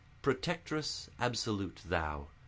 Protectress absolute, thou!